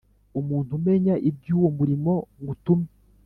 Umuntu umenya iby’ uwo murimo ngutumye